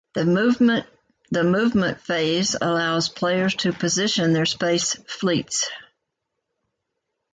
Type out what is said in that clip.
The movement phase allows players to position their space fleets.